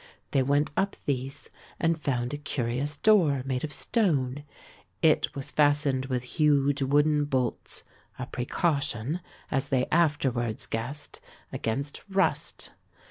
They went up these and found a curious door made of stone. It was fastened with huge wooden bolts, a precaution, as they afterwards guessed, against rust.